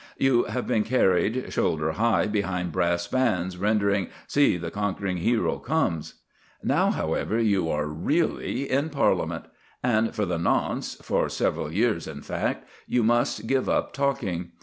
You have been carried shoulder high behind brass bands rendering See, the Conquering Hero Comes. Now however, you are really in Parliament; and for the nonce for several years, in fact you must give up talking.